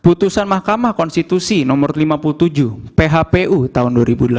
putusan mahkamah konstitusi nomor lima puluh tujuh phpu tahun dua ribu delapan belas